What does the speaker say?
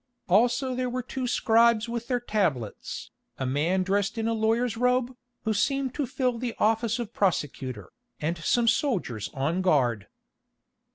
Also there were two scribes with their tablets, a man dressed in a lawyer's robe, who seemed to fill the office of prosecutor, and some soldiers on guard.